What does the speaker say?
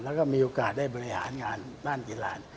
แล้วก็มีโอกาสได้บริหารงานด้านกีฬา